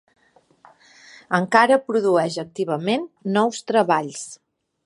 Encara produeix activament nous treballs.